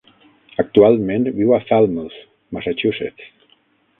Actualment viu a Falmouth, Massachusetts.